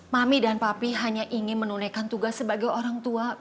mami dan papi hanya ingin menunaikan tugas sebagai orang tua